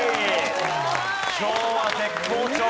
今日は絶好調！